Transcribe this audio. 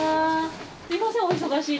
すいませんお忙しいところ。